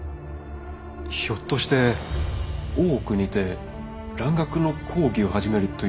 ひょっとして大奥にて蘭学の講義を始めるというのは。